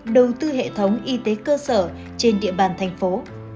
đầu tư hệ thống y tế cơ sở trên địa bàn thành phố